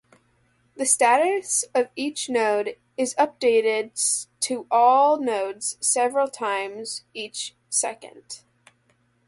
The status of each node is updated to all nodes several times each second.